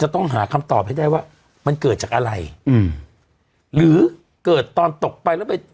ต้องหาคำตอบให้ได้ว่ามันเกิดจากอะไรอืมหรือเกิดตอนตกไปแล้วไป